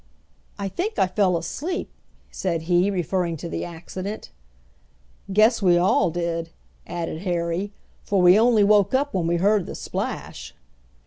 "I think I fell asleep," said he, referring to the accident. "Guess we all did!" added Harry, "for we only woke up when we heard the splash."